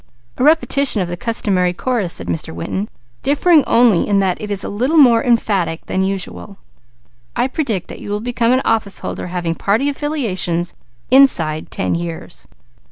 "A repetition of the customary chorus," said Mr. Winton, "differing only in that it is a little more emphatic than usual. I predict that you will become an office holder, having party affiliations, inside ten years."